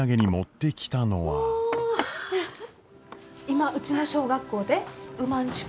今うちの小学校でうまんちゅ